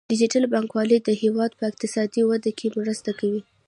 ډیجیټل بانکوالي د هیواد په اقتصادي وده کې مرسته کوي.